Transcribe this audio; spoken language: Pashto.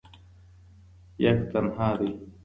یک تنها دی